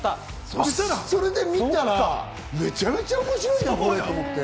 それで見たら、めちゃめちゃ面白いなぁと思って。